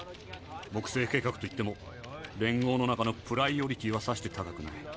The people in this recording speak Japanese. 木星計画といっても連合の中のプライオリティーはさして高くない。